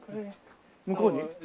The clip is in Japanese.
向こうに？